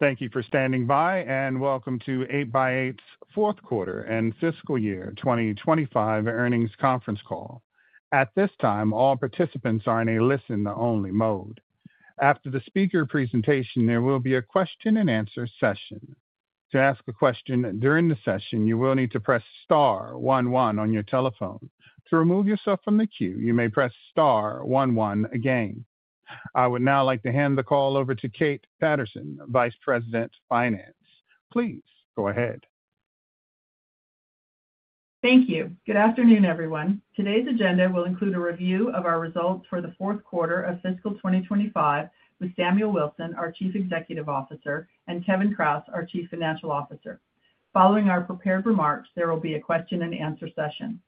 Thank you for standing by, and welcome to 8x8's fourth quarter and fiscal year 2025 earnings conference call. At this time, all participants are in a listen-only mode. After the speaker presentation, there will be a question-and-answer session. To ask a question during the session, you will need to press star one one on your telephone. To remove yourself from the queue, you may press star one one again. I would now like to hand the call over to Kate Patterson, Vice President, Finance. Please go ahead. Thank you. Good afternoon, everyone. Today's agenda will include a review of our results for the fourth quarter of fiscal 2025 with Samuel Wilson, our Chief Executive Officer, and Kevin Kraus, our Chief Financial Officer. Following our prepared remarks, there will be a question-and-answer session.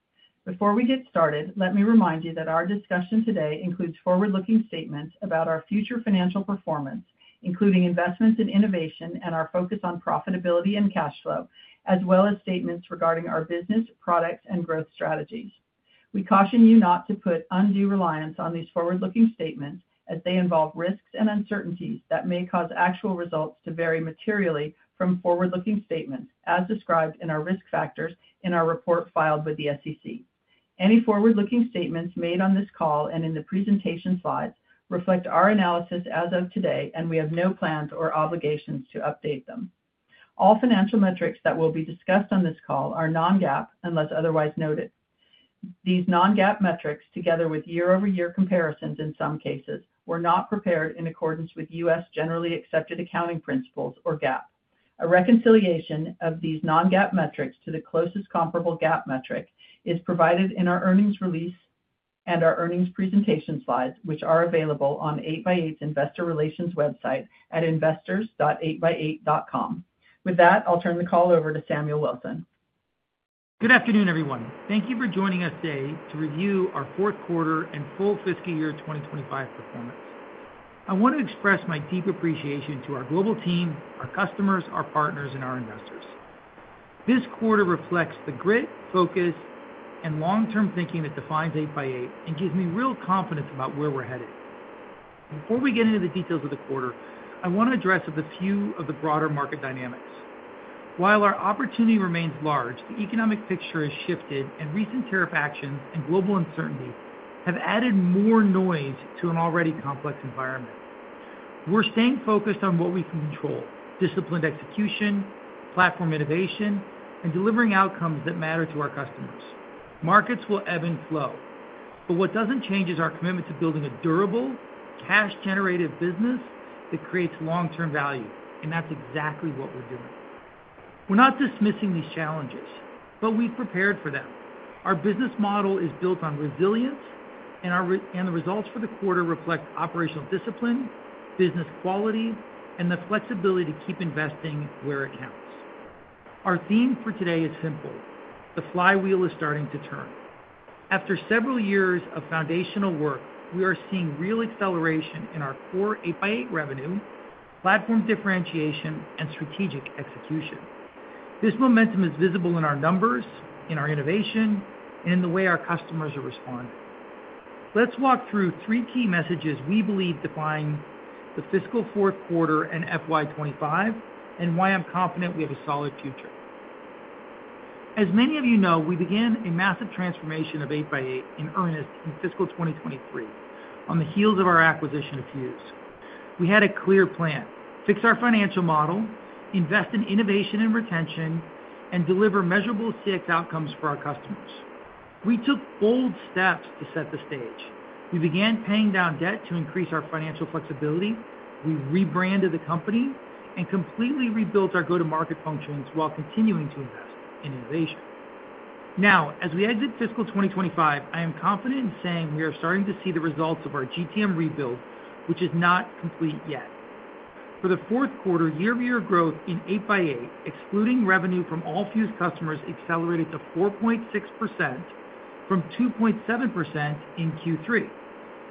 Before we get started, let me remind you that our discussion today includes forward-looking statements about our future financial performance, including investments in innovation and our focus on profitability and cash flow, as well as statements regarding our business, products, and growth strategies. We caution you not to put undue reliance on these forward-looking statements, as they involve risks and uncertainties that may cause actual results to vary materially from forward-looking statements, as described in our risk factors in our report filed with the SEC. Any forward-looking statements made on this call and in the presentation slides reflect our analysis as of today, and we have no plans or obligations to update them. All financial metrics that will be discussed on this call are non-GAAP unless otherwise noted. These non-GAAP metrics, together with year-over-year comparisons in some cases, were not prepared in accordance with U.S. generally accepted accounting principles, or GAAP. A reconciliation of these non-GAAP metrics to the closest comparable GAAP metric is provided in our earnings release and our earnings presentation slides, which are available on 8x8's Investor Relations website at investors.8x8.com. With that, I'll turn the call over to Samuel Wilson. Good afternoon, everyone. Thank you for joining us today to review our fourth quarter and full fiscal year 2025 performance. I want to express my deep appreciation to our global team, our customers, our partners, and our investors. This quarter reflects the grit, focus, and long-term thinking that defines 8x8 and gives me real confidence about where we're headed. Before we get into the details of the quarter, I want to address a few of the broader market dynamics. While our opportunity remains large, the economic picture has shifted, and recent tariff actions and global uncertainty have added more noise to an already complex environment. We're staying focused on what we can control: disciplined execution, platform innovation, and delivering outcomes that matter to our customers. Markets will ebb and flow, but what doesn't change is our commitment to building a durable, cash-generative business that creates long-term value, and that's exactly what we're doing. We're not dismissing these challenges, but we've prepared for them. Our business model is built on resilience, and the results for the quarter reflect operational discipline, business quality, and the flexibility to keep investing where it counts. Our theme for today is simple: the flywheel is starting to turn. After several years of foundational work, we are seeing real acceleration in our core 8x8 revenue, platform differentiation, and strategic execution. This momentum is visible in our numbers, in our innovation, and in the way our customers are responding. Let's walk through three key messages we believe define the fiscal fourth quarter and FY25, and why I'm confident we have a solid future. As many of you know, we began a massive transformation of 8x8 in earnest in fiscal 2023 on the heels of our acquisition of Fuze. We had a clear plan: fix our financial model, invest in innovation and retention, and deliver measurable CX outcomes for our customers. We took bold steps to set the stage. We began paying down debt to increase our financial flexibility. We rebranded the company and completely rebuilt our go-to-market functions while continuing to invest in innovation. Now, as we exit fiscal 2025, I am confident in saying we are starting to see the results of our GTM rebuild, which is not complete yet. For the fourth quarter, year-to-year growth in 8x8, excluding revenue from all Fuze customers, accelerated to 4.6% from 2.7% in Q3.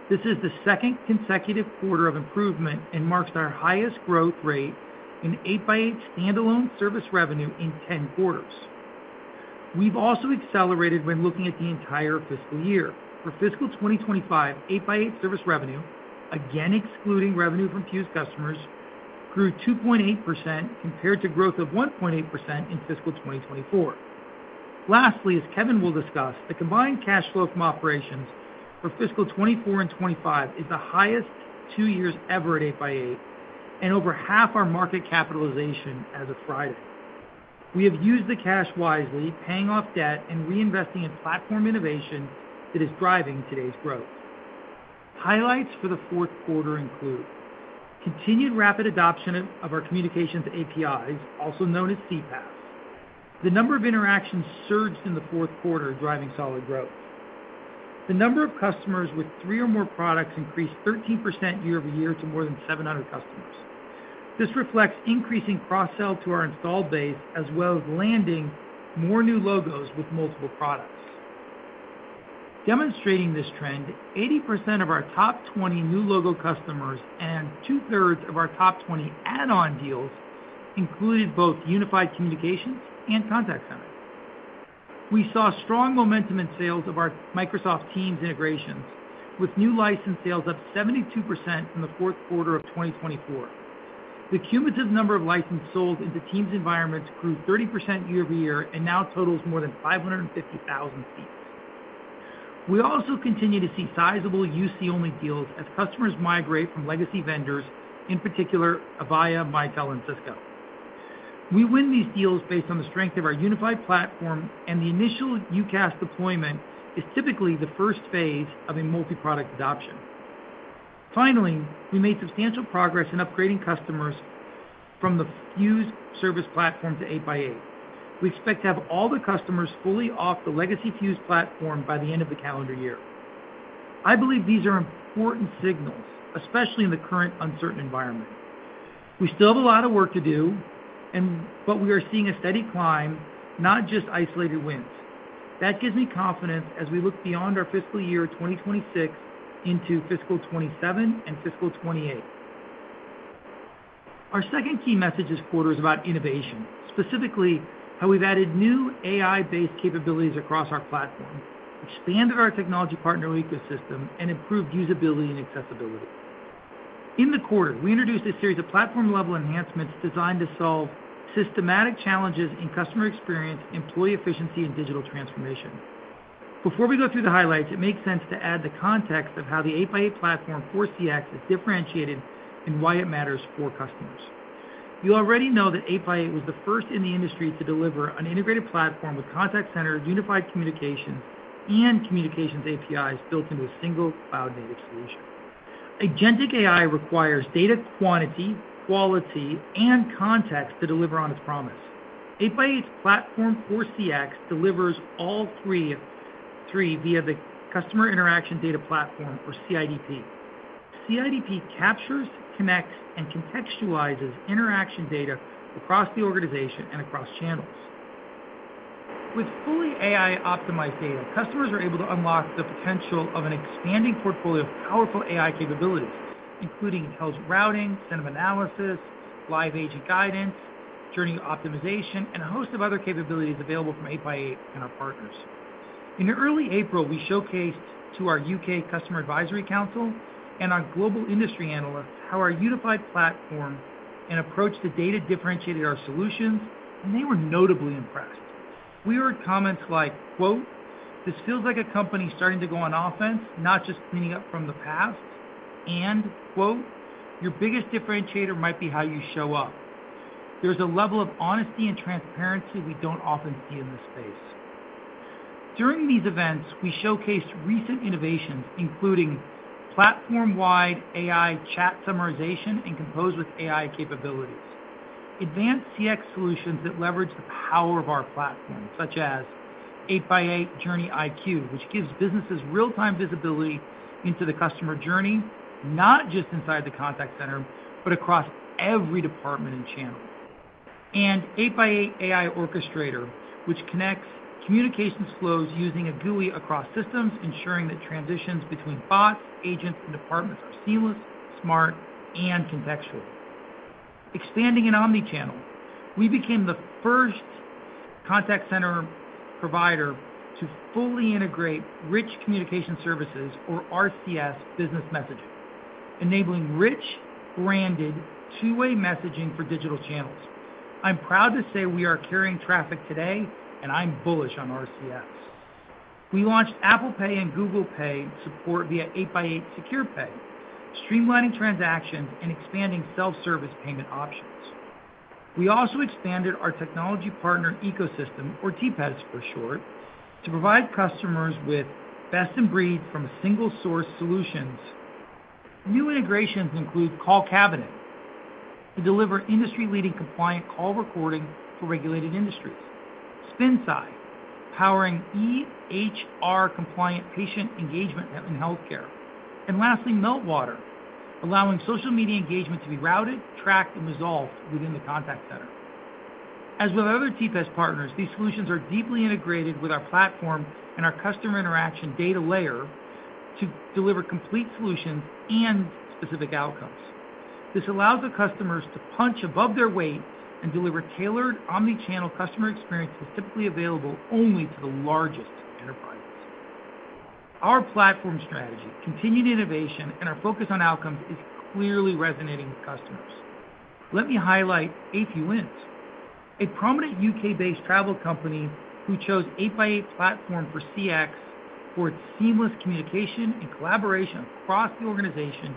This is the second consecutive quarter of improvement and marks our highest growth rate in 8x8 standalone service revenue in 10 quarters. We've also accelerated when looking at the entire fiscal year. For fiscal 2025, 8x8 service revenue, again excluding revenue from Fuze customers, grew 2.8% compared to growth of 1.8% in fiscal 2024. Lastly, as Kevin will discuss, the combined cash flow from operations for fiscal 2024 and 2025 is the highest two years ever at 8x8, and over half our market capitalization as of Friday. We have used the cash wisely, paying off debt and reinvesting in platform innovation that is driving today's growth. Highlights for the fourth quarter include continued rapid adoption of our Communications APIs, also known as CPaaS. The number of interactions surged in the fourth quarter, driving solid growth. The number of customers with three or more products increased 13% year-over-year to more than 700 customers. This reflects increasing cross-sell to our installed base, as well as landing more new logos with multiple products. Demonstrating this trend, 80% of our top 20 new logo customers and two-thirds of our top 20 add-on deals included both unified communications and contact center. We saw strong momentum in sales of our Microsoft Teams integrations, with new license sales up 72% in the fourth quarter of 2024. The cumulative number of licenses sold into Teams environments grew 30% year-over-year and now totals more than 550,000 seats. We also continue to see sizable use-only deals as customers migrate from legacy vendors, in particular Avaya, Mitel, and Cisco. We win these deals based on the strength of our unified platform, and the initial UCaaS deployment is typically the first phase of a multi-product adoption. Finally, we made substantial progress in upgrading customers from the Fuze service platform to 8x8. We expect to have all the customers fully off the legacy Fuze platform by the end of the calendar year. I believe these are important signals, especially in the current uncertain environment. We still have a lot of work to do, but we are seeing a steady climb, not just isolated wins. That gives me confidence as we look beyond our fiscal year 2026 into fiscal 27 and fiscal 28. Our second key message this quarter is about innovation, specifically how we've added new AI-based capabilities across our platform, expanded our technology partner ecosystem, and improved usability and accessibility. In the quarter, we introduced a series of platform-level enhancements designed to solve systematic challenges in customer experience, employee efficiency, and digital transformation. Before we go through the highlights, it makes sense to add the context of how the 8x8 Platform for CX is differentiated and why it matters for customers. You already know that 8x8 was the first in the industry to deliver an integrated platform with contact center, unified communications, and Communications APIs built into a single cloud-native solution. Agentic AI requires data, quantity, quality, and context to deliver on its promise. 8x8's Platform for CX delivers all three via the Customer Interaction Data Platform, or CIDP. CIDP captures, connects, and contextualizes interaction data across the organization and across channels. With fully AI-optimized data, customers are able to unlock the potential of an expanding portfolio of powerful AI capabilities, including intelligent routing, sentiment analysis, live agent guidance, journey optimization, and a host of other capabilities available from 8x8 and our partners. In early April, we showcased to our U.K. Customer Advisory Council and our global industry analysts how our unified platform and approach to data differentiated our solutions, and they were notably impressed. We heard comments like, "This feels like a company starting to go on offense, not just cleaning up from the past," and, "Your biggest differentiator might be how you show up." There is a level of honesty and transparency we do not often see in this space. During these events, we showcased recent innovations, including platform-wide AI chat summarization and composed with AI capabilities, advanced CX solutions that leverage the power of our platform, such as 8x8 JourneyIQ, which gives businesses real-time visibility into the customer journey, not just inside the contact center, but across every department and channel, and 8x8 AI Orchestrator, which connects communications flows using a GUI across systems, ensuring that transitions between bots, agents, and departments are seamless, smart, and contextual. Expanding in omnichannel, we became the first contact center provider to fully integrate rich communication services, or RCS, business messaging, enabling rich, branded two-way messaging for digital channels. I'm proud to say we are carrying traffic today, and I'm bullish on RCS. We launched Apple Pay and Google Pay support via 8x8 SecurePay, streamlining transactions and expanding self-service payment options. We also expanded our technology partner ecosystem, or TPE for short, to provide customers with best-in-breed from a single source solutions. New integrations include Call Cabinet to deliver industry-leading compliant call recording for regulated industries, SpinSci powering EHR-compliant patient engagement in healthcare, and lastly, Meltwater, allowing social media engagement to be routed, tracked, and resolved within the contact center. As with other TPEST partners, these solutions are deeply integrated with our platform and our customer interaction data layer to deliver complete solutions and specific outcomes. This allows the customers to punch above their weight and deliver tailored omnichannel customer experiences typically available only to the largest enterprises. Our platform strategy, continued innovation, and our focus on outcomes is clearly resonating with customers. Let me highlight a few wins. A prominent U.K.-based travel company who chose 8x8 Platform for CX for its seamless communication and collaboration across the organization,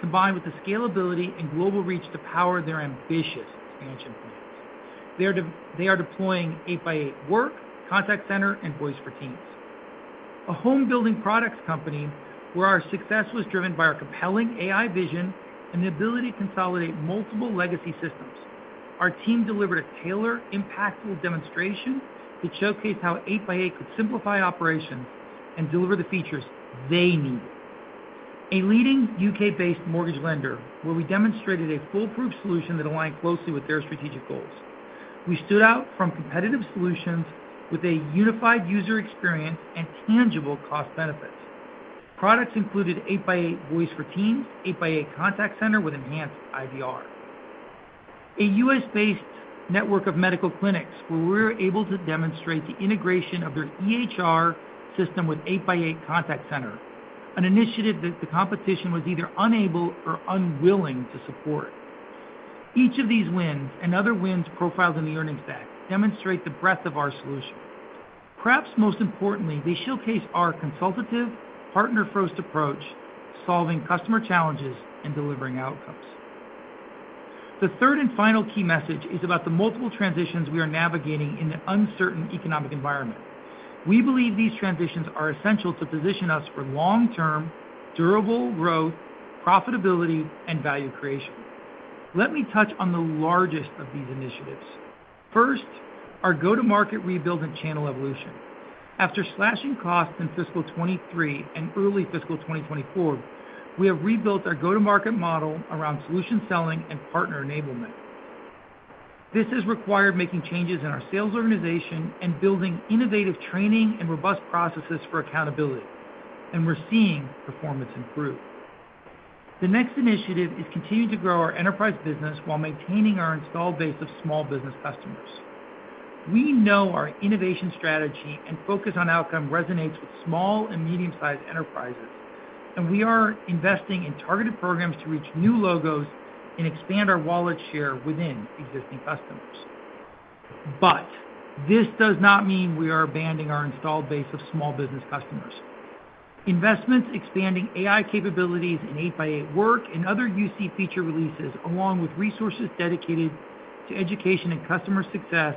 combined with the scalability and global reach to power their ambitious expansion plans. They are deploying 8x8 Work, Contact Center, and Voice for Teams. A home-building products company where our success was driven by our compelling AI vision and the ability to consolidate multiple legacy systems. Our team delivered a tailored, impactful demonstration that showcased how 8x8 could simplify operations and deliver the features they needed. A leading U.K. based mortgage lender where we demonstrated a foolproof solution that aligned closely with their strategic goals. We stood out from competitive solutions with a unified user experience and tangible cost benefits. Products included 8x8 Voice for Teams, 8x8 Contact Center with enhanced IVR, a U.S. based network of medical clinics where we were able to demonstrate the integration of their EHR system with 8x8 Contact Center, an initiative that the competition was either unable or unwilling to support. Each of these wins and other wins profiled in the earnings deck demonstrate the breadth of our solution. Perhaps most importantly, they showcase our consultative, partner-first approach to solving customer challenges and delivering outcomes. The third and final key message is about the multiple transitions we are navigating in the uncertain economic environment. We believe these transitions are essential to position us for long-term durable growth, profitability, and value creation. Let me touch on the largest of these initiatives. First, our go-to-market rebuild and channel evolution. After slashing costs in fiscal 2023 and early fiscal 2024, we have rebuilt our go-to-market model around solution selling and partner enablement. This has required making changes in our sales organization and building innovative training and robust processes for accountability, and we're seeing performance improve. The next initiative is continuing to grow our enterprise business while maintaining our installed base of small business customers. We know our innovation strategy and focus on outcome resonates with small and medium-sized enterprises, and we are investing in targeted programs to reach new logos and expand our wallet share within existing customers. This does not mean we are abandoning our installed base of small business customers. Investments expanding AI capabilities in 8x8 Work and other UC feature releases, along with resources dedicated to education and customer success,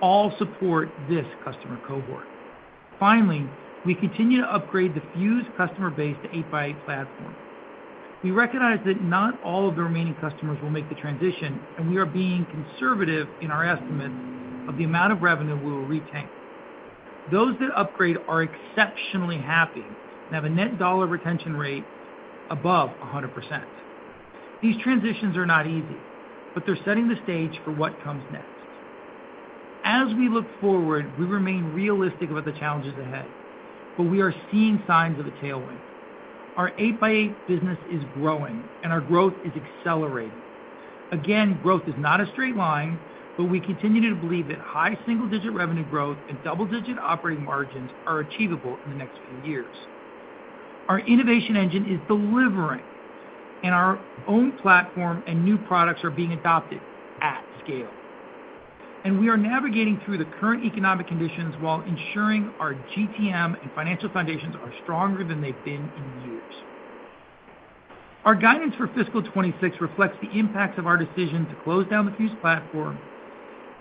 all support this customer cohort. Finally, we continue to upgrade the Fuze customer base to 8x8 Platform. We recognize that not all of the remaining customers will make the transition, and we are being conservative in our estimates of the amount of revenue we will retain. Those that upgrade are exceptionally happy and have a Net dollar retention rate above 100%. These transitions are not easy, but they are setting the stage for what comes next. As we look forward, we remain realistic about the challenges ahead, but we are seeing signs of a tailwind. Our 8x8 business is growing, and our growth is accelerating. Again, growth is not a straight line, but we continue to believe that high single-digit revenue growth and double-digit operating margins are achievable in the next few years. Our innovation engine is delivering, and our own platform and new products are being adopted at scale. We are navigating through the current economic conditions while ensuring our GTM and financial foundations are stronger than they have been in years. Our guidance for fiscal 2026 reflects the impacts of our decision to close down the Fuze platform,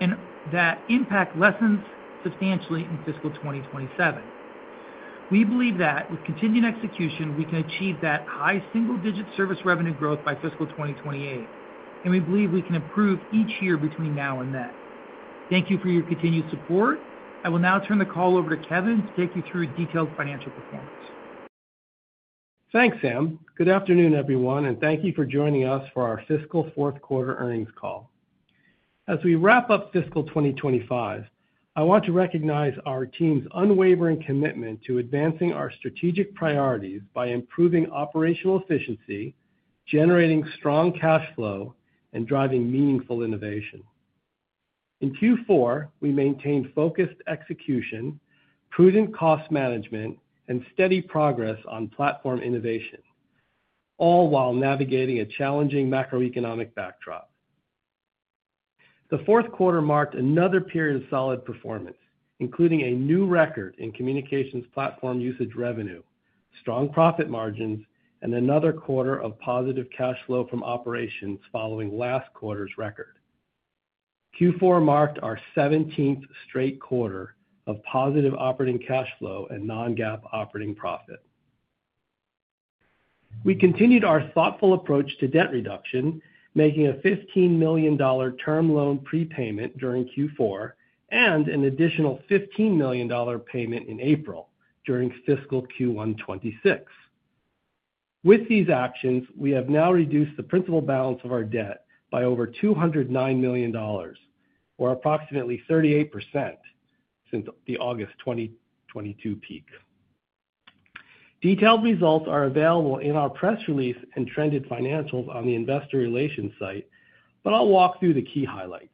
and that impact lessens substantially in fiscal 2027. We believe that with continued execution, we can achieve that high single-digit service revenue growth by fiscal 2028, and we believe we can improve each year between now and then. Thank you for your continued support. I will now turn the call over to Kevin to take you through detailed financial performance. Thanks, Sam. Good afternoon, everyone, and thank you for joining us for our fiscal fourth quarter earnings call. As we wrap up fiscal 2025, I want to recognize our team's unwavering commitment to advancing our strategic priorities by improving operational efficiency, generating strong cash flow, and driving meaningful innovation.In Q4, we maintained focused execution, prudent cost management, and steady progress on platform innovation, all while navigating a challenging macroeconomic backdrop. The fourth quarter marked another period of solid performance, including a new record in communications platform usage revenue, strong profit margins, and another quarter of positive cash flow from operations following last quarter's record. Q4 marked our 17th straight quarter of positive operating cash flow and non-GAAP operating profit. We continued our thoughtful approach to debt reduction, making a $15 million term loan prepayment during Q4 and an additional $15 million payment in April during fiscal Q1 2026. With these actions, we have now reduced the principal balance of our debt by over $209 million, or approximately 38% since the August 2022 peak. Detailed results are available in our press release and trended financials on the investor relations site, but I'll walk through the key highlights.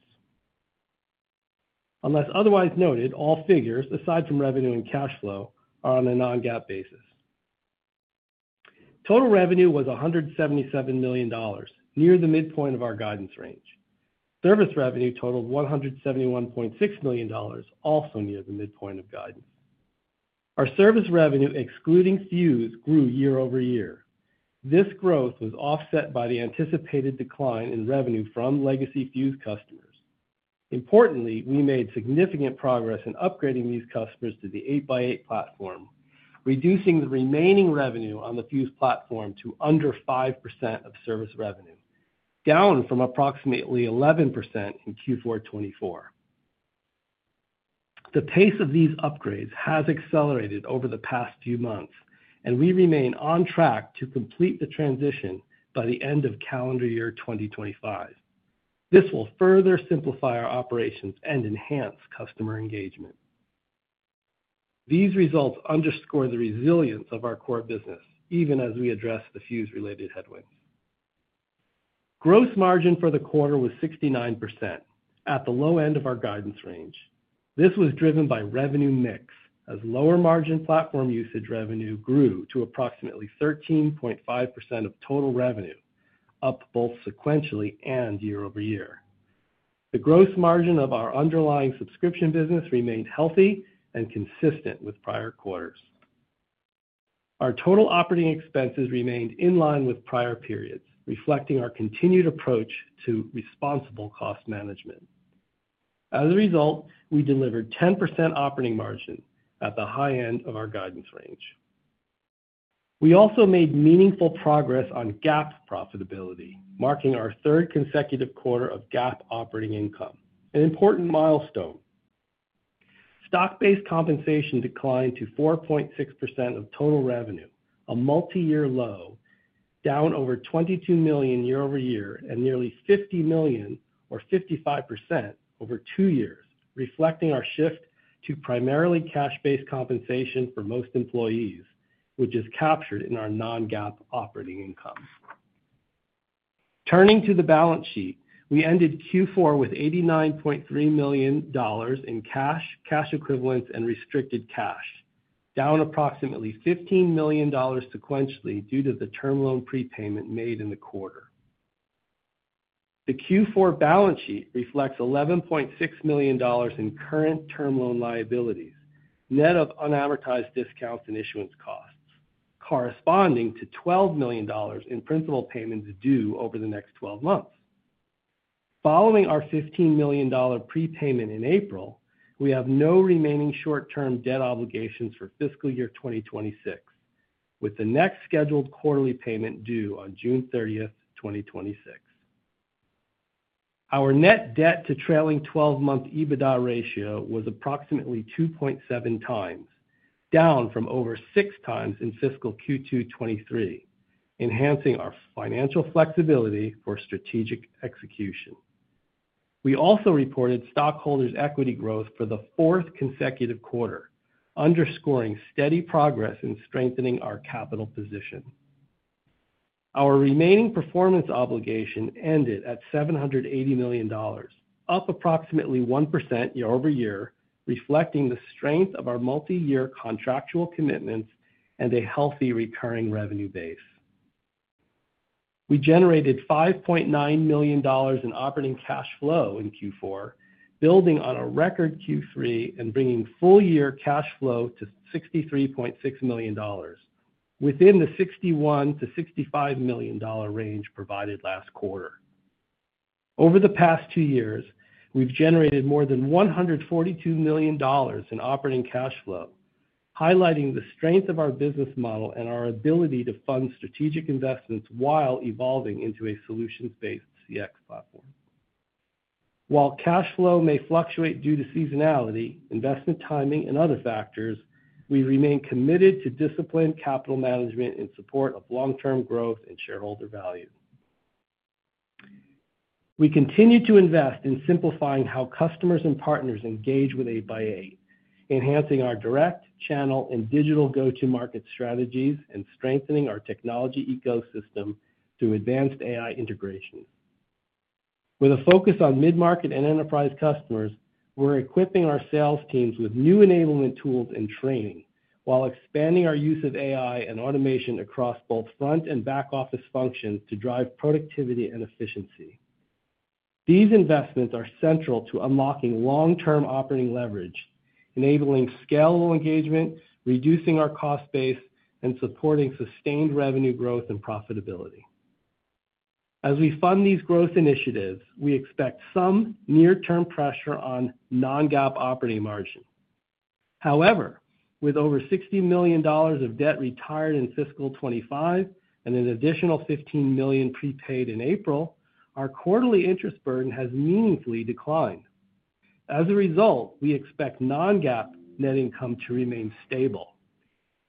Unless otherwise noted, all figures, aside from revenue and cash flow, are on a non-GAAP basis. Total revenue was $177 million, near the midpoint of our guidance range. Service revenue totaled $171.6 million, also near the midpoint of guidance. Our service revenue, excluding Fuze, grew year over year. This growth was offset by the anticipated decline in revenue from legacy Fuze customers. Importantly, we made significant progress in upgrading these customers to the 8x8 platform, reducing the remaining revenue on the Fuze platform to under 5% of service revenue, down from approximately 11% in Q4 2024. The pace of these upgrades has accelerated over the past few months, and we remain on track to complete the transition by the end of calendar year 2025. This will further simplify our operations and enhance customer engagement. These results underscore the resilience of our core business, even as we address the Fuze-related headwinds. Gross margin for the quarter was 69%, at the low end of our guidance range. This was driven by revenue mix, as lower margin platform usage revenue grew to approximately 13.5% of total revenue, up both sequentially and year over year. The gross margin of our underlying subscription business remained healthy and consistent with prior quarters. Our total operating expenses remained in line with prior periods, reflecting our continued approach to responsible cost management. As a result, we delivered 10% Operating margin at the high end of our guidance range. We also made meaningful progress on GAAP profitability, marking our third consecutive quarter of GAAP operating income, an important milestone. Stock-based compensation declined to 4.6% of total revenue, a multi-year low, down over $22 million year over year and nearly $50 million, or 55%, over two years, reflecting our shift to primarily cash-based compensation for most employees, which is captured in our non-GAAP operating income. Turning to the balance sheet, we ended Q4 with $89.3 million in cash, cash equivalents, and restricted cash, down approximately $15 million sequentially due to the term loan prepayment made in the quarter. The Q4 balance sheet reflects $11.6 million in current term loan liabilities, net of unamortized discounts and issuance costs, corresponding to $12 million in principal payments due over the next 12 months. Following our $15 million prepayment in April, we have no remaining short-term debt obligations for fiscal year 2026, with the next scheduled quarterly payment due on June 30, 2026. Our net debt to trailing 12-month EBITDA ratio was approximately 2.7x, down from over 6x in fiscal Q2 2023, enhancing our financial flexibility for strategic execution. We also reported stockholders' equity growth for the fourth consecutive quarter, underscoring steady progress in strengthening our capital position. Our remaining performance obligation ended at $780 million, up approximately 1% year over year, reflecting the strength of our multi-year contractual commitments and a healthy recurring revenue base. We generated $5.9 million in operating cash flow in Q4, building on a record Q3 and bringing full-year cash flow to $63.6 million, within the $61 million-$65 million range provided last quarter. Over the past two years, we've generated more than $142 million in operating cash flow, highlighting the strength of our business model and our ability to fund strategic investments while evolving into a solutions-based CX platform. While cash flow may fluctuate due to seasonality, investment timing, and other factors, we remain committed to disciplined capital management in support of long-term growth and shareholder value. We continue to invest in simplifying how customers and partners engage with 8x8, enhancing our direct channel and digital go-to-market strategies, and strengthening our technology ecosystem through advanced AI integration. With a focus on mid-market and enterprise customers, we're equipping our sales teams with new enablement tools and training while expanding our use of AI and automation across both front and back office functions to drive productivity and efficiency. These investments are central to unlocking long-term operating leverage, enabling scalable engagement, reducing our cost base, and supporting sustained revenue growth and profitability. As we fund these growth initiatives, we expect some near-term pressure on non-GAAP operating margin. However, with over $60 million of debt retired in fiscal 2025 and an additional $15 million prepaid in April, our quarterly interest burden has meaningfully declined. As a result, we expect non-GAAP net income to remain stable,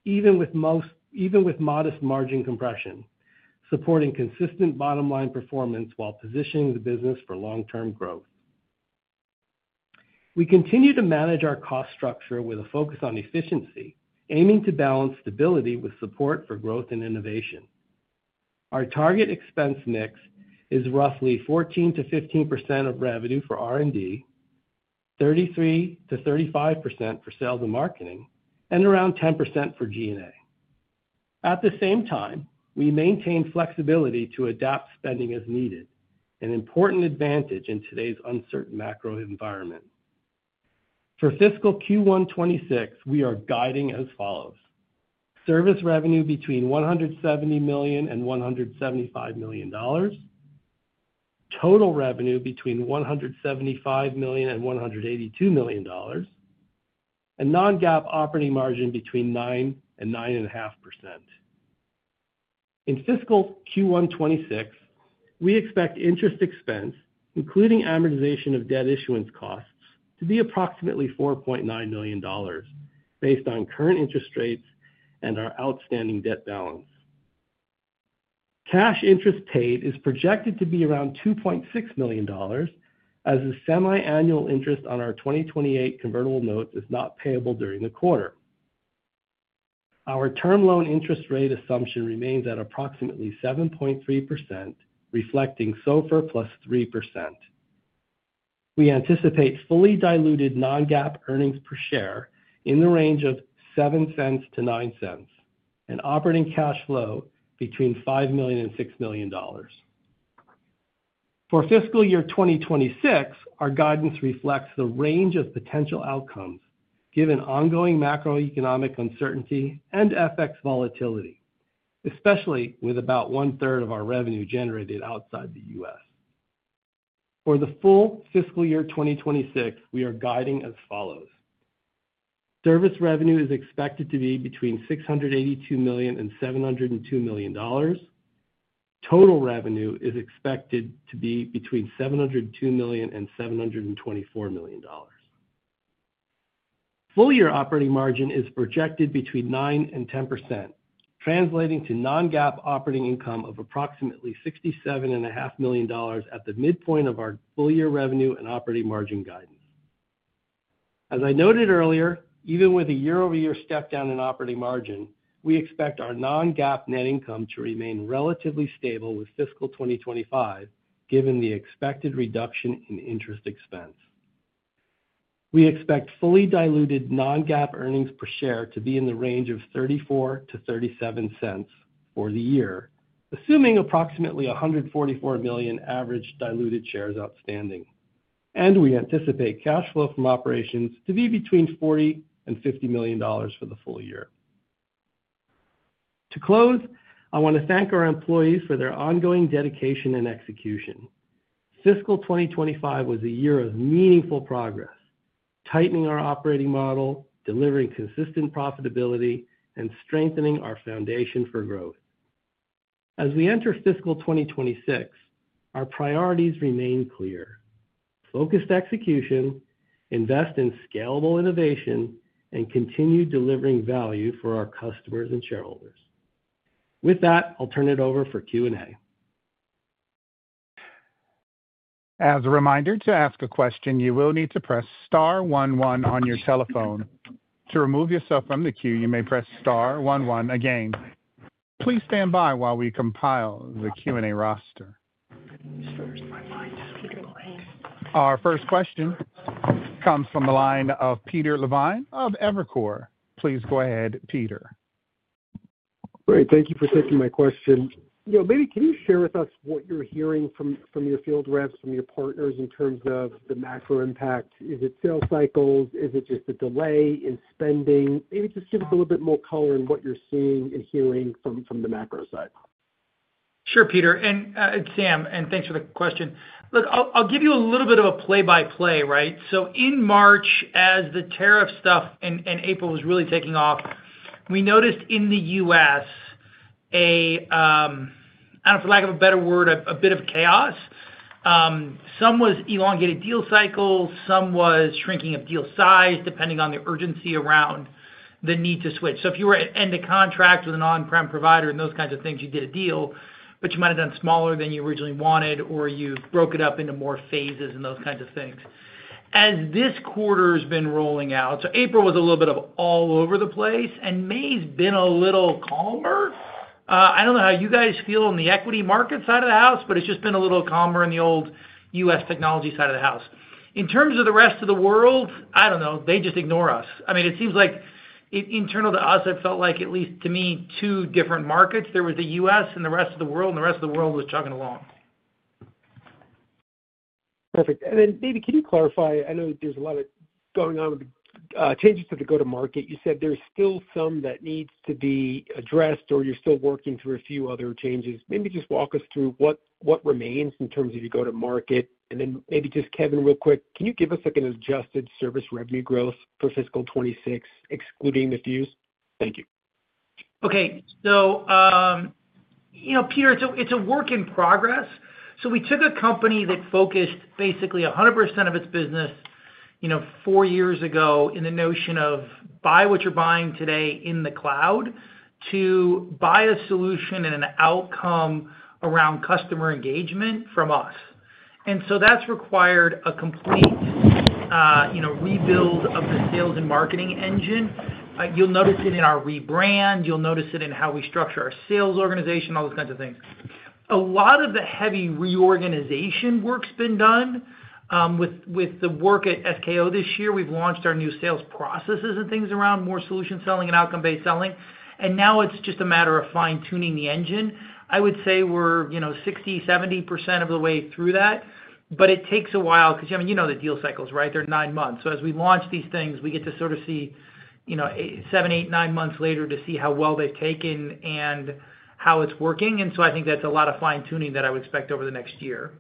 even with modest margin compression, supporting consistent bottom-line performance while positioning the business for long-term growth. We continue to manage our cost structure with a focus on efficiency, aiming to balance stability with support for growth and innovation. Our target expense mix is roughly 14%-15% of revenue for R&D, 33%-35% for sales and marketing, and around 10% for G&A. At the same time, we maintain flexibility to adapt spending as needed, an important advantage in today's uncertain macro environment. For fiscal Q1 2026, we are guiding as follows: service revenue between $170 million and $175 million, total revenue between $175 million and $182 million, and non-GAAP operating margin between 9%-9.5%. In fiscal Q1 2026, we expect interest expense, including amortization of debt issuance costs, to be approximately $4.9 million, based on current interest rates and our outstanding debt balance. Cash interest paid is projected to be around $2.6 million, as the semi-annual interest on our 2028 convertible notes is not payable during the quarter. Our term loan interest rate assumption remains at approximately 7.3%, reflecting SOFR plus 3%. We anticipate fully diluted non-GAAP earnings per share in the range of $0.07-$0.09 and operating cash flow between $5 million-$6 million. For fiscal year 2026, our guidance reflects the range of potential outcomes, given ongoing macroeconomic uncertainty and FX volatility, especially with about 1/3 of our revenue generated outside the U.S. For the full fiscal year 2026, we are guiding as follows: service revenue is expected to be between $682 million and $702 million. Total revenue is expected to be between $702 million and $724 million. Full-year operating margin is projected between 9%-10%, translating to non-GAAP operating income of approximately $67.5 million at the midpoint of our full-year revenue and operating margin guidance. As I noted earlier, even with a year-over-year step down in operating margin, we expect our non-GAAP net income to remain relatively stable with fiscal 2025, given the expected reduction in interest expense. We expect fully diluted non-GAAP earnings per share to be in the range of $0.34-$0.37 for the year, assuming approximately 144 million average diluted shares outstanding. We anticipate cash flow from operations to be between $40 million-$50 million for the full year. To close, I want to thank our employees for their ongoing dedication and execution. Fiscal 2025 was a year of meaningful progress, tightening our operating model, delivering consistent profitability, and strengthening our foundation for growth. As we enter fiscal 2026, our priorities remain clear: focused execution, invest in scalable innovation, and continue delivering value for our customers and shareholders. With that, I'll turn it over for Q&A. As a reminder, to ask a question, you will need to press star 11 on your telephone. To remove yourself from the queue, you may press star one one again. Please stand by while we compile the Q&A roster. Our first question comes from the line of Peter Levine of Evercore. Please go ahead, Peter. Great. Thank you for taking my question. You know, maybe can you share with us what you're hearing from your field reps, from your partners in terms of the macro impact? Is it sales cycles? Is it just a delay in spending? Maybe just give us a little bit more color in what you're seeing and hearing from the macro side. Sure, Peter. And it's Sam, and thanks for the question. Look, I'll give you a little bit of a play-by-play, right? In March, as the tariff stuff in April was really taking off, we noticed in the U.S. a, for lack of a better word, a bit of chaos. Some was elongated deal cycle, some was shrinking of deal size, depending on the urgency around the need to switch. If you were at end of contract with an on-prem provider and those kinds of things, you did a deal, but you might have done smaller than you originally wanted, or you broke it up into more phases and those kinds of things. As this quarter has been rolling out, April was a little bit of all over the place, and May has been a little calmer. I do not know how you guys feel on the equity market side of the house, but it has just been a little calmer in the old U.S. technology side of the house. In terms of the rest of the world, I do not know. They just ignore us. I mean, it seems like internal to us, it felt like, at least to me, two different markets. There was the U.S. and the rest of the world, and the rest of the world was chugging along. Perfect. Maybe can you clarify? I know there's a lot going on with the changes to the go-to-market. You said there's still some that needs to be addressed, or you're still working through a few other changes. Maybe just walk us through what remains in terms of your go-to-market. Maybe just, Kevin, real quick, can you give us an adjusted service revenue growth for fiscal 2026, excluding the Fuze? Thank you. Okay. You know, Peter, it's a work in progress. We took a company that focused basically 100% of its business four years ago in the notion of buy what you're buying today in the cloud to buy a solution and an outcome around customer engagement from us. That required a complete rebuild of the sales and marketing engine. You'll notice it in our rebrand. You'll notice it in how we structure our sales organization, all those kinds of things. A lot of the heavy reorganization work's been done. With the work at SKO this year, we've launched our new sales processes and things around more solution selling and outcome-based selling. Now it's just a matter of fine-tuning the engine. I would say we're 60%-70% of the way through that, but it takes a while because, I mean, you know the deal cycles, right? They're nine months. As we launch these things, we get to sort of see seven, eight, nine months later to see how well they've taken and how it's working. I think that's a lot of fine-tuning that I would expect over the next year.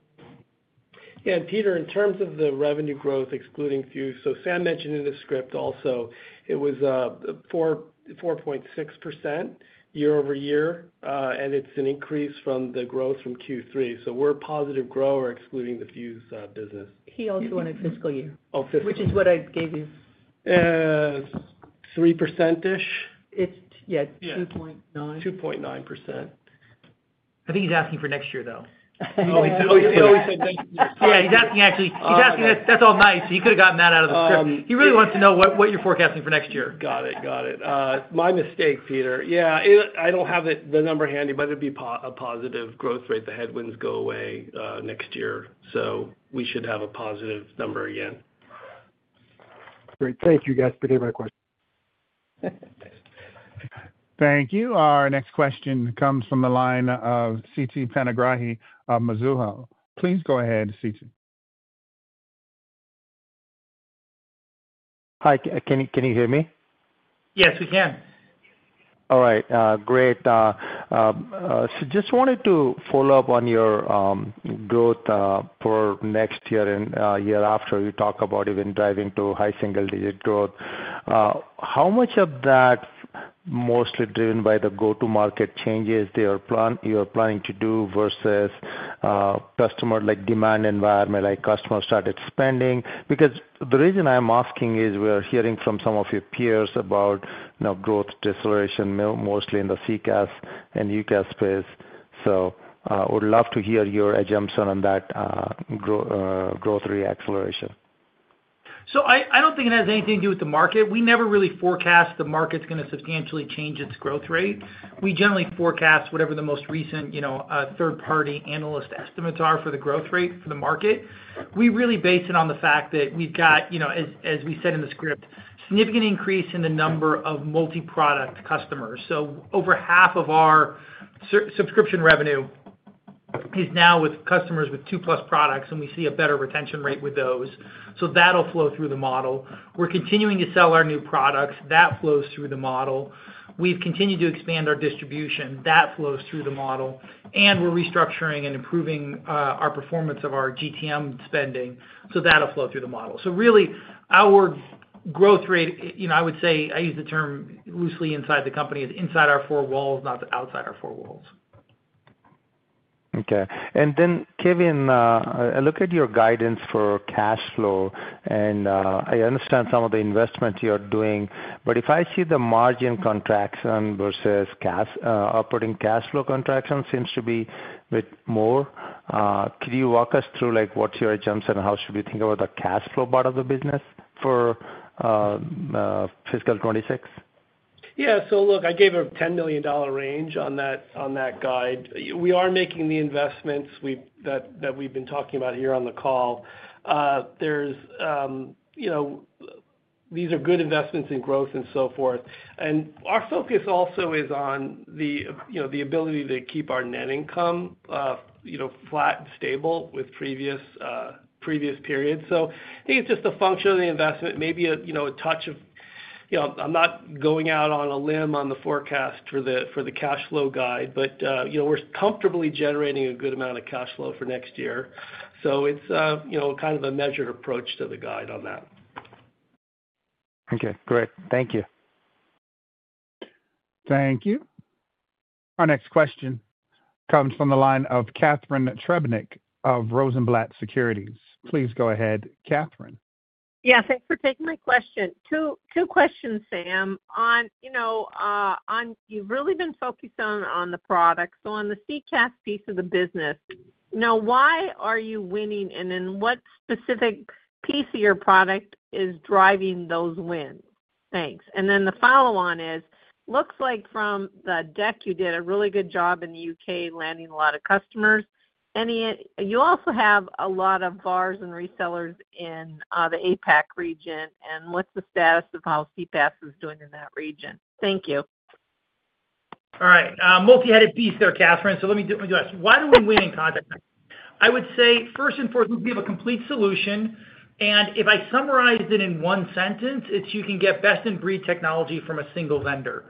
Yeah. Peter, in terms of the revenue growth, excluding Fuze, Sam mentioned in the script also it was 4.6% year-over-year, and it's an increase from the growth from Q3. We're a positive grower excluding the Fuze business. He also wanted fiscal year. Oh, fiscal year. Which is what I gave you. 3%-ish? Yeah, 2.9%. 2.9%. I think he's asking for next year, though. Oh, he said next year. Yeah, he's asking actually. He's asking that's all nice. He could have gotten that out of the script. He really wants to know what you're forecasting for next year. Got it. Got it. My mistake, Peter. Yeah. I do not have the number handy, but it would be a positive growth rate if the headwinds go away next year. We should have a positive number again. Great. Thank you, guys, for taking my question. Thank you. Our next question comes from the line of Siti Panigrahi, Mizuho. Please go ahead, Siti. Hi. Can you hear me? Yes, we can. All right. Great. Just wanted to follow up on your growth for next year and the year after. You talk about even driving to high single-digit growth. How much of that is mostly driven by the go-to-market changes you are planning to do versus customer demand environment, like customers started spending? The reason I am asking is we are hearing from some of your peers about growth deceleration, mostly in the CCaaS and UCaaS space. I would love to hear your assumption on that growth reacceleration. I don't think it has anything to do with the market. We never really forecast the market's going to substantially change its growth rate. We generally forecast whatever the most recent third-party analyst estimates are for the growth rate for the market. We really base it on the fact that we've got, as we said in the script, a significant increase in the number of multi-product customers. Over half of our subscription revenue is now with customers with two-plus products, and we see a better retention rate with those. That'll flow through the model. We're continuing to sell our new products. That flows through the model. We've continued to expand our distribution. That flows through the model. We're restructuring and improving our performance of our GTM spending. That'll flow through the model. Really, our growth rate, I would say, I use the term loosely inside the company, is inside our four walls, not outside our four walls. Okay. Kevin, I look at your guidance for cash flow, and I understand some of the investments you're doing, but if I see the margin contraction versus operating cash flow contraction, it seems to be a bit more. Could you walk us through what's your assumption? How should we think about the cash flow part of the business for fiscal 2026? Yeah. I gave a $10 million range on that guide. We are making the investments that we've been talking about here on the call. These are good investments in growth and so forth. Our focus also is on the ability to keep our net income flat and stable with previous periods. I think it's just a function of the investment, maybe a touch of I'm not going out on a limb on the forecast for the cash flow guide, but we're comfortably generating a good amount of cash flow for next year. It's kind of a measured approach to the guide on that. Okay. Great. Thank you. Thank you. Our next question comes from the line of Catherine Trebenick of Rosenblatt Securities. Please go ahead, Katherine. Yeah. Thanks for taking my question. Two questions, Sam. You've really been focused on the products. On the CCaaS piece of the business, why are you winning, and in what specific piece of your product is driving those wins? Thanks. The follow-on is, looks like from the deck, you did a really good job in the U.K., landing a lot of customers. You also have a lot of bars and resellers in the APAC region. And what's the status of how CPaaS is doing in that region? Thank you. All right. Multi-headed piece there, Katherine. So let me ask, why do we win in contact centers? I would say, first and foremost, we have a complete solution. If I summarize it in one sentence, it's you can get best-in-breed technology from a single vendor.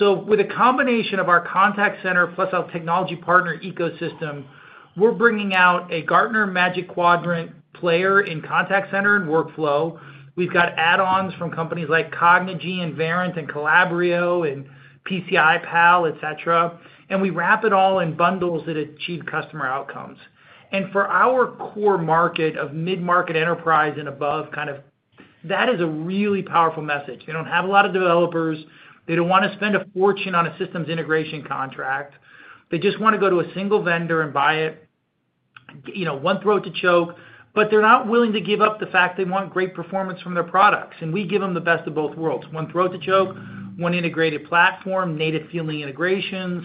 With a combination of our contact center plus our technology partner ecosystem, we're bringing out a Gartner Magic Quadrant player in contact center and workflow. We've got add-ons from companies like Cognigy and Verint and Calabrio and PCI Pal, etc. We wrap it all in bundles that achieve customer outcomes. For our core market of mid-market enterprise and above, kind of that is a really powerful message. They do not have a lot of developers. They don't want to spend a fortune on a systems integration contract. They just want to go to a single vendor and buy it, one throat to choke. They're not willing to give up the fact they want great performance from their products. We give them the best of both worlds: one throat to choke, one integrated platform, native-fielding integrations,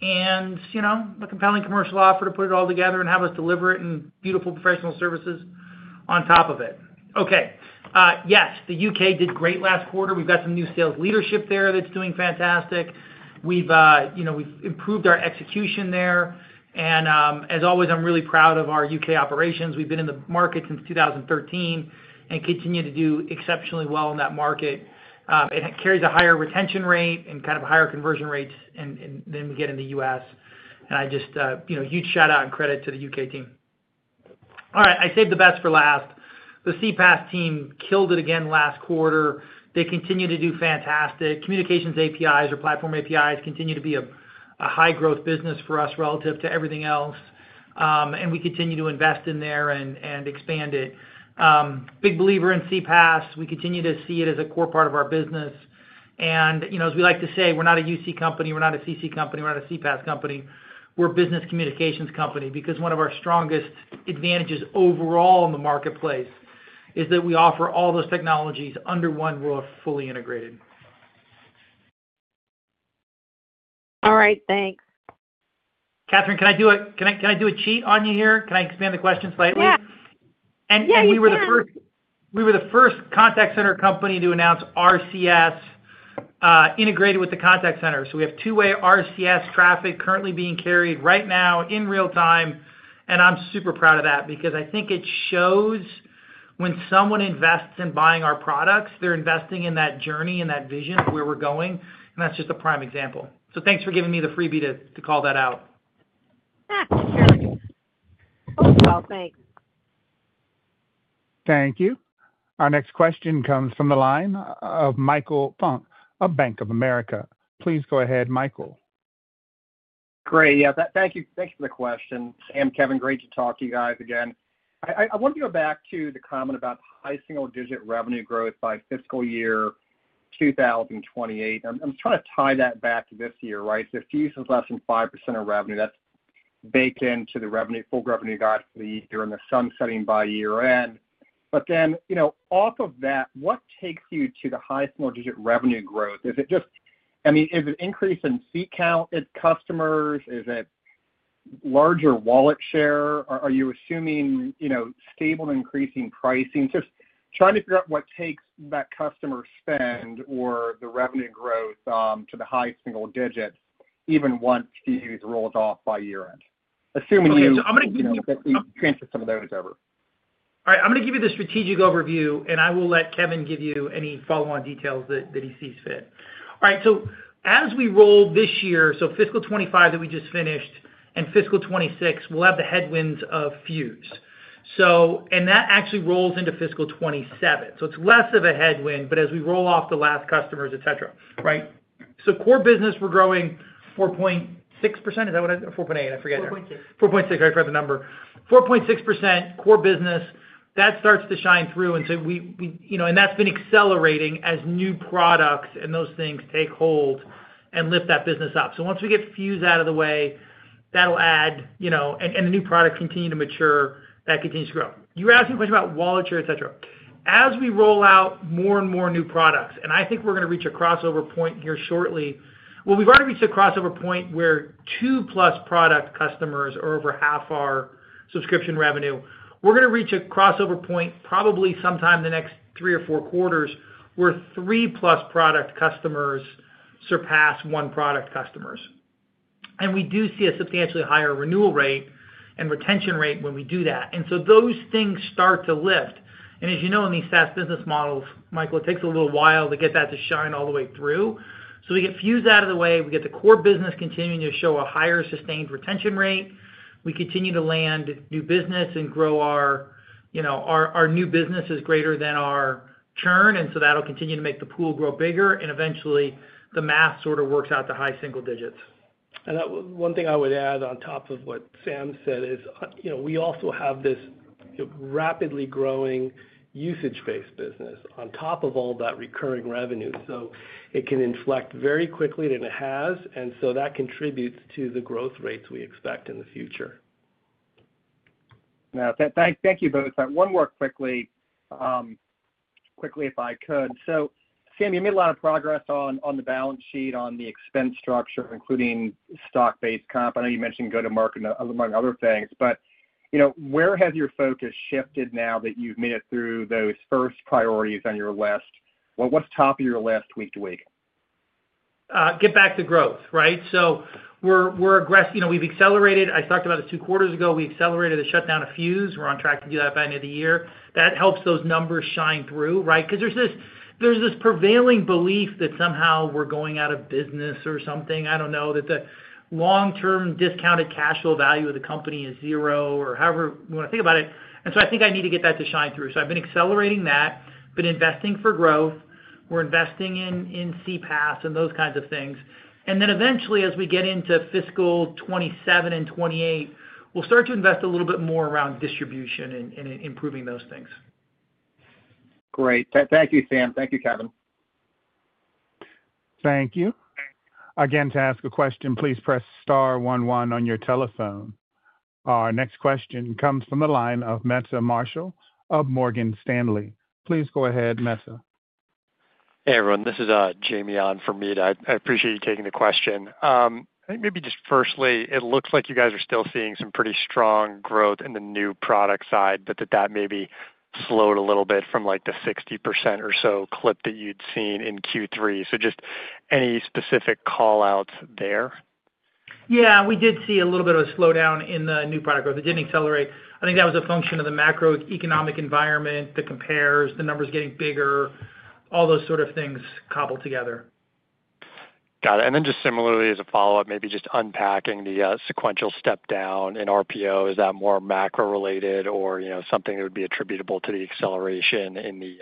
and a compelling commercial offer to put it all together and have us deliver it in beautiful professional services on top of it. Okay. Yes, the U.K. did great last quarter. We've got some new sales leadership there that's doing fantastic. We've improved our execution there. As always, I'm really proud of our U.K. operations. We've been in the market since 2013 and continue to do exceptionally well in that market. It carries a higher retention rate and kind of higher conversion rates than we get in the U.S. I just huge shout-out and credit to the U.K. team. All right. I saved the best for last. The CPaaS team killed it again last quarter. They continue to do fantastic. Communications APIs or platform APIs continue to be a high-growth business for us relative to everything else. We continue to invest in there and expand it. Big believer in CPaaS. We continue to see it as a core part of our business. As we like to say, we're not a UC company. We're not a CC company. We're not a CPaaS company. We're a business communications company because one of our strongest advantages overall in the marketplace is that we offer all those technologies under one roof, fully integrated. All right. Thanks. Catherine, can I do a cheat on you here? Can I expand the question slightly? Yeah. You can We were the first contact center company to announce RCS integrated with the contact center. We have two-way RCS traffic currently being carried right now in real time. I'm super proud of that because I think it shows when someone invests in buying our products, they're investing in that journey and that vision of where we're going. That's just a prime example. Thanks for giving me the freebie to call that out. Sure. Oh, wow. Thanks. Thank you. Our next question comes from the line of Michael Funk of Bank of America. Please go ahead, Michael. Great. Yeah. Thank you for the question. Sam, Kevin, great to talk to you guys again. I want to go back to the comment about high single-digit revenue growth by fiscal year 2028. I'm trying to tie that back to this year, right? So Fuze is less than 5% of revenue. That's baked into the full revenue guide for the year and the sunsetting by year-end. But then off of that, what takes you to the high single-digit revenue growth? Is it just, I mean, is it increase in seat count, it's customers? Is it larger wallet share? Are you assuming stable and increasing pricing? Just trying to figure out what takes that customer spend or the revenue growth to the high single digit even once Fuze rolls off by year-end. Assuming you've got some of those over. All right. I'm going to give you the strategic overview, and I will let Kevin give you any follow-on details that he sees fit. All right. As we roll this year, fiscal 2025 that we just finished and fiscal 2026, we'll have the headwinds of Fuze. That actually rolls into fiscal 2027, so it's less of a headwind, but as we roll off the last customers, etc., right? Core business, we're growing 4.6%. Is that what I said? 4.8? I forget it. 4.6%. 4.6%. I forgot the number. 4.6% core business. That starts to shine through. That's been accelerating as new products and those things take hold and lift that business up. Once we get Fuze out of the way, that'll add, and the new products continue to mature, that continues to grow. You were asking a question about wallet share, etc. As we roll out more and more new products, I think we're going to reach a crossover point here shortly. We have already reached a crossover point where two-plus product customers are over half our subscription revenue. We are going to reach a crossover point probably sometime in the next three or four quarters where three-plus product customers surpass one product customers. We do see a substantially higher renewal rate and retention rate when we do that. Those things start to lift. As you know, in these SaaS business models, Michael, it takes a little while to get that to shine all the way through. We get Fuze out of the way. We get the core business continuing to show a higher sustained retention rate. We continue to land new business and grow; our new business is greater than our churn. That will continue to make the pool grow bigger. Eventually, the math sort of works out to high single digits. One thing I would add on top of what Sam said is we also have this rapidly growing usage-based business on top of all that recurring revenue. It can inflect very quickly, and it has. That contributes to the growth rates we expect in the future. Thank you both. One more quickly, if I could. Sam, you made a lot of progress on the balance sheet, on the expense structure, including stock-based comp. I know you mentioned go-to-market and among other things. Where has your focus shifted now that you've made it through those first priorities on your list? What's top of your list week to week? Get back to growth, right? We're aggressive. We've accelerated. I talked about this two quarters ago. We accelerated the shutdown of Fuze. We're on track to do that by the end of the year. That helps those numbers shine through, right? Because there's this prevailing belief that somehow we're going out of business or something. I don't know. That the long-term discounted cash flow value of the company is zero or however we want to think about it. I think I need to get that to shine through. I've been accelerating that. Been investing for growth. We're investing in CPaaS and those kinds of things. Eventually, as we get into fiscal 2027 and 2028, we'll start to invest a little bit more around distribution and improving those things. Great. Thank you, Sam. Thank you, Kevin. Thank you. Again, to ask a question, please press star 11 on your telephone. Our next question comes from the line of Meta Marshall of Morgan Stanley. Please go ahead, Meta. Hey, everyone. This is Jamie on for Meta. I appreciate you taking the question. I think maybe just firstly, it looks like you guys are still seeing some pretty strong growth in the new product side, but that maybe slowed a little bit from the 60% or so clip that you'd seen in Q3. Just any specific callouts there? Yeah. We did see a little bit of a slowdown in the new product growth. It did not accelerate. I think that was a function of the macroeconomic environment, the compares, the numbers getting bigger, all those sort of things cobbled together. Got it. Just similarly, as a follow-up, maybe just unpacking the sequential step down in RPO. Is that more macro-related or something that would be attributable to the acceleration in the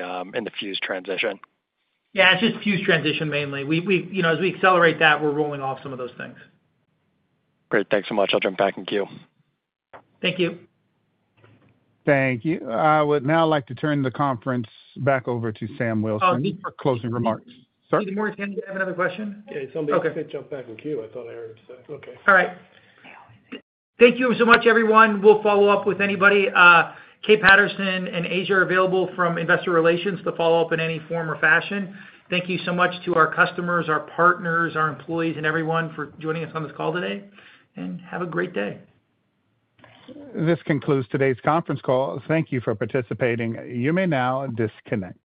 Fuze transition? Yeah. It is just Fuze transition mainly. As we accelerate that, we are rolling off some of those things. Great. Thanks so much. I'll jump back in queue. Thank you. Thank you. I would now like to turn the conference back over to Sam Wilson for closing remarks. Sorry. Hey, Morris, can you have another question? Yeah. Somebody said jump back in queue. I thought I heard him say, "Okay." All right. Thank you so much, everyone. We'll follow up with anybody. Kate Patterson and Asia are available from investor relations to follow up in any form or fashion. Thank you so much to our customers, our partners, our employees, and everyone for joining us on this call today. Have a great day. This concludes today's conference call. Thank you for participating. You may now disconnect.